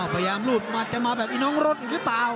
พยายามหลุดมันจะมาแบบอีน้องรถอยู่หรือเปล่า